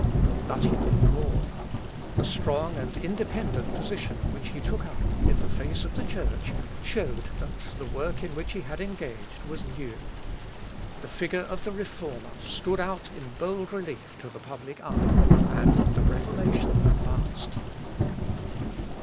But he did more. The strong and independent position which he took up in the face of the Church showed that the work in which he had engaged was new. The figure of the Reformer stood out in bold relief to the public eye, and the Reformation advanced.